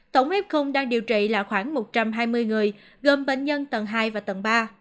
tổng f đang điều trị là khoảng một trăm hai mươi người gồm bệnh nhân tầng hai và tầng ba